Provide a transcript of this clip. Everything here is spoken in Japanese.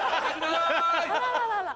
あらららら。